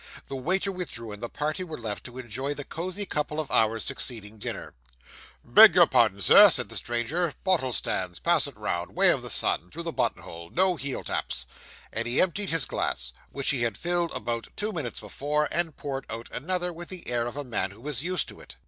The waiter withdrew, and the party were left to enjoy the cosy couple of hours succeeding dinner. 'Beg your pardon, sir,' said the stranger, 'bottle stands pass it round way of the sun through the button hole no heeltaps,' and he emptied his glass, which he had filled about two minutes before, and poured out another, with the air of a man who was used to it.